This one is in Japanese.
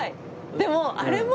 でもあれも。